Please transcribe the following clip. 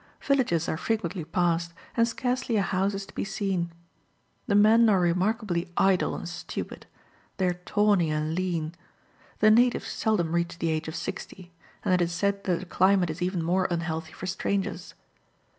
Villages are frequently passed, and scarcely a house is to be seen. The men are remarkably idle and stupid; they are tawny and lean. The natives seldom reach the age of sixty; and it is said that the climate is even more unhealthy for strangers.